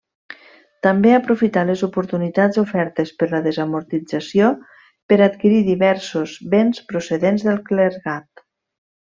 També aprofità les oportunitats ofertes per la desamortització per adquirir diversos béns procedents del clergat.